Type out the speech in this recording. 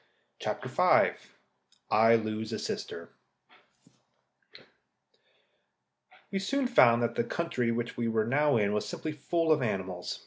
CHAPTER V I LOSE A SISTER We soon found that the country which we were now in was simply full of animals.